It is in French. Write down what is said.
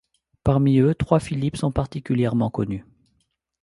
Parmi eux, trois Philippe sont particulièrement connus.